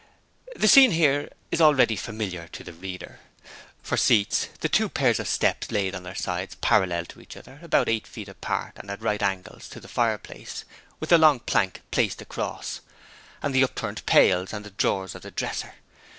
The scene here is already familiar to the reader. For seats, the two pairs of steps laid on their sides parallel to each other, about eight feet apart and at right angles to the fireplace, with the long plank placed across; and the upturned pails and the drawers of the dresser.